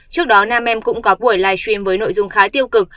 trước đó nam em cũng có buổi live stream với nội dung khá tiêu cực